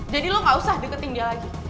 jadi lo gak usah deketin dia lagi